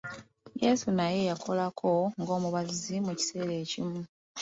Yesu naye yakolako ng'omubazzi mu kiseera ekimu.